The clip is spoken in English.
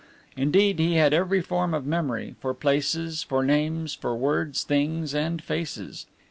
Indeed, he had every form of memory for places, for names, for words, things, and faces.